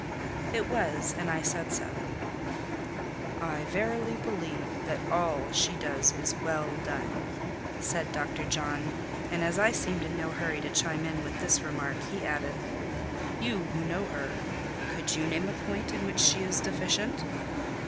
It was, and I said so. "I verily believe that all she does is well done," said Dr. John; and as I seemed in no hurry to chime in with this remark, he added "You, who know her, could you name a point in which she is deficient?"